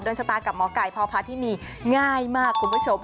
โดนชะตากับหมอก่ายพ่อพาที่นี่ง่ายมากคุณผู้ชม